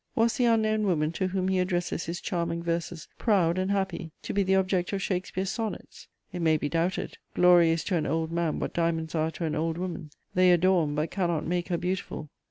Was the unknown woman to whom he addresses his charming verses proud and happy to be the object of Shakespeare's Sonnets? It may be doubted: glory is to an old man what diamonds are to an old woman; they adorn, but cannot make her beautiful.